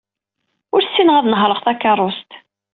Ur ssineɣ ad nehṛeɣ takeṛṛust.